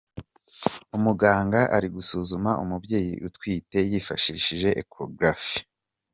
Umuganga ari gusuzuma umubyeyi utwite yifashishije Echographe .